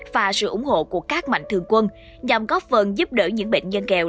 và sự ủng hộ của các mạnh thường quân nhằm góp phần giúp đỡ những bệnh nhân kèo